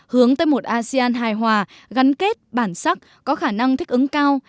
hướng tới một asean hài hòa gắn kết bản sắc có khả năng thích ứng cao